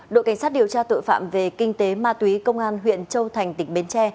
đội cảnh sát điều tra tội phạm về kinh tế ma túy công an huyện châu thành tỉnh bến tre